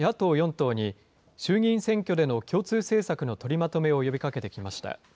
党に、衆議院選挙での共通政策の取りまとめを呼びかけてきました。